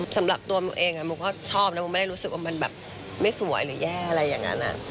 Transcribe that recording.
สำหรับตัวโมเองโมก็ชอบนะโมไม่ได้รู้สึกว่ามันแบบไม่สวยหรือแย่อะไรอย่างนั้น